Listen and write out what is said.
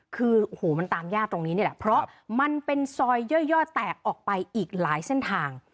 คือโอ้โหมันตามยากตรงนี้นี่แหละเพราะมันเป็นซอยย่อแตกออกไปอีกหลายเส้นทาง